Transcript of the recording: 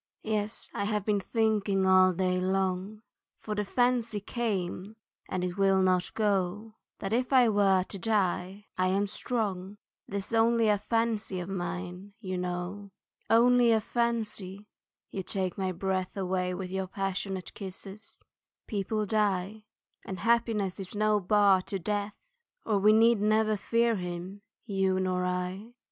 Yes, I have been thinking all day long, For the fancy came and it will not go, That if I were to die I am strong, 'Tis only a fancy of mine, you know. Only a fancy (you take my breath With your passionate kisses) people die, And happiness is no bar to death Or we never need fear him, you nor I.